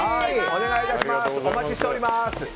お願いします。